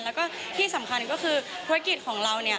แล้วก็ที่สำคัญก็คือธุรกิจของเรา